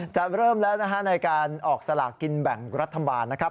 จะเริ่มแล้วนะฮะในการออกสลากกินแบ่งรัฐบาลนะครับ